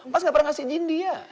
mas gak pernah ngasih izin dia